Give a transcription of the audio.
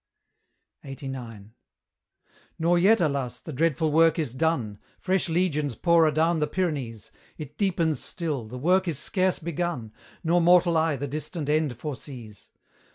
LXXXIX. Nor yet, alas, the dreadful work is done; Fresh legions pour adown the Pyrenees: It deepens still, the work is scarce begun, Nor mortal eye the distant end foresees.